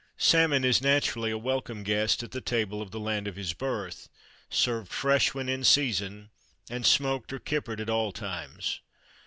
Salmon is naturally a welcome guest at the table of the land of his birth, served fresh when in season, and smoked or kippered at all times.